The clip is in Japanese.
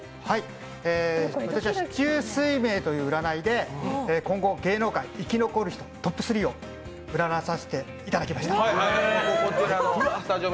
四柱推命という占いで今後、芸能界生き残る人トップ３を占わさせていただきました。